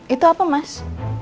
itu apa mas